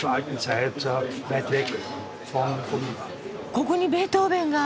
ここにベートーベンが！